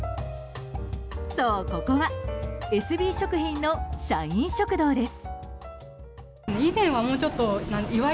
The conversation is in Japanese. そう、ここはエスビー食品の社員食堂です。